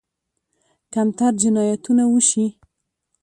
کمتر جنایتونه وشي.